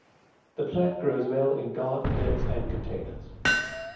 The plant grows well in garden beds and containers.